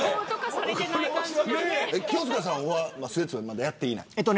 清塚さんは、スレッズはまだやっていない。